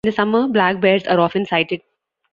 In the summer black bears are often sighted.